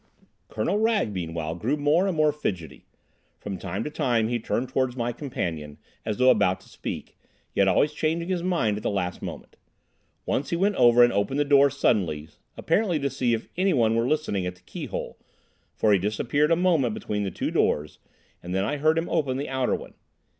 Colonel Wragge meanwhile grew more and more fidgety. From time to time he turned towards my companion, as though about to speak, yet always changing his mind at the last moment. Once he went over and opened the door suddenly, apparently to see if any one were listening at the keyhole, for he disappeared a moment between the two doors, and I then heard him open the outer one.